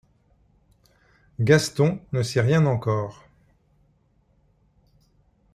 Gaston ne sait rien encore.